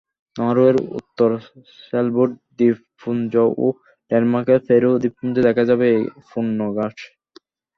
নরওয়ের উত্তর স্যালবার্ড দ্বীপপুঞ্জ ও ডেনমার্কের ফ্যারো দ্বীপপুঞ্জে দেখা যাবে এই পূর্ণগ্রাস।